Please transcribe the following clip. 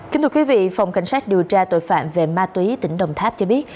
kính thưa quý vị phòng cảnh sát điều tra tội phạm về ma túy tỉnh đồng tháp cho biết